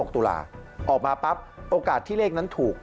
ตุลาออกมาปั๊บโอกาสที่เลขนั้นถูก